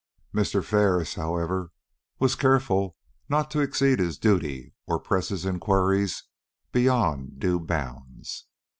Mr. Ferris, however, was careful not to exceed his duty or press his inquiries beyond due bounds.